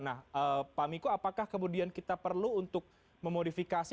nah pak miko apakah kemudian kita perlu untuk memodifikasi